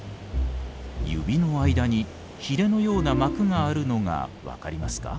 指の間にヒレのような膜があるのが分かりますか。